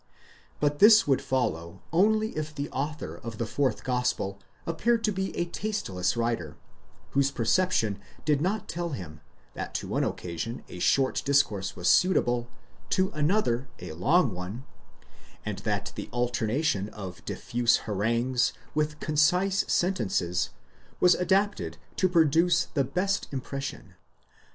But this would follow only if the author of the fourth gospel appeared to be a tasteless writer, whose perception did not tell him, that to one occasion a short discourse was suitable, to another a long one, and that the alternation of diffuse harangues with concise sentences was adapted to produce the best impression.